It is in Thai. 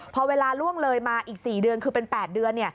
พอเวลาล่วงเลยมาอีก๔เดือนคือเป็น๘เดือน